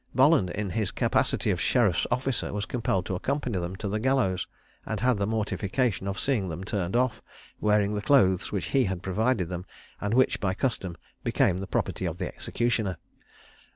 Bolland, in his capacity of sheriff's officer, was compelled to accompany them to the gallows, and had the mortification of seeing them turned off, wearing the clothes which he had provided them, and which, by custom, became the property of the executioner.